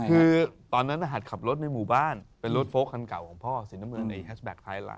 คือตอนนั้นหัดขับรถในหมู่บ้านเป็นรถโฟลกคันเก่าของพ่อสีน้ำเงินในแฮชแท็กภายหลัง